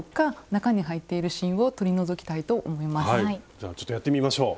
じゃあちょっとやってみましょう。